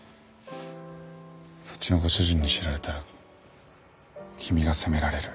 そっちのご主人に知られたら君が責められる。